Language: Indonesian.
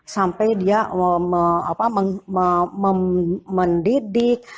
sampai dia mendidik